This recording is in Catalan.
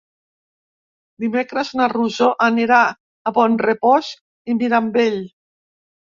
Dimecres na Rosó anirà a Bonrepòs i Mirambell.